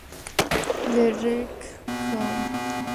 Le Relecq-Kerhuon